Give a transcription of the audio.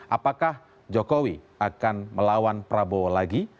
apakah jokowi akan melawan prabowo lagi